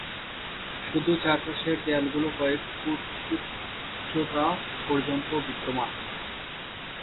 শুধু চারপাশের দেয়ালগুলো কয়েক ফুট উচ্চতা পর্যন্ত বিদ্যমান।